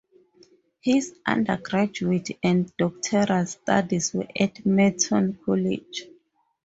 His undergraduate and doctoral studies were at Merton College.